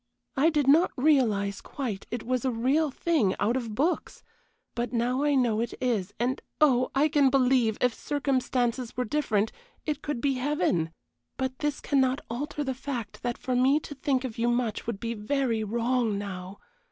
I did not realize, quite, it was a real thing out of books but now I know it is; and oh, I can believe, if circumstances were different, it could be heaven. But this cannot alter the fact that for me to think of you much would be very wrong now.